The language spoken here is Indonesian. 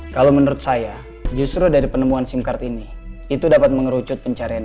kalau menurut saya justru dari penemuan sim card ini itu dapat mengerucut pencarian